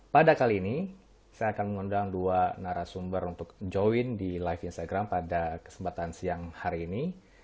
pada kali ini saya akan mengundang dua narasumber untuk join di live instagram pada kesempatan siang hari ini